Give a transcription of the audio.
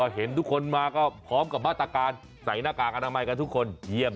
เห็นทุกคนมาก็พร้อมกับมาตรการใส่หน้ากากอนามัยกันทุกคนเยี่ยม